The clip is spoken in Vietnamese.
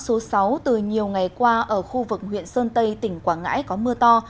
số sáu từ nhiều ngày qua ở khu vực huyện sơn tây tỉnh quảng ngãi có mưa to